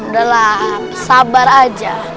dahlah sabar aja